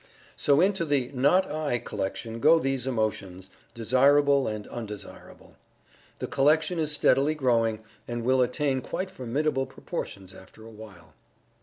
So into the "not I" collection go these emotions, desirable and undesirable. The collection is steadily growing, and will attain quite formidable proportions after a while.